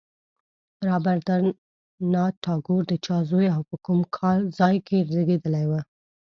رابندر ناته ټاګور د چا زوی او په کوم ځای کې زېږېدلی و.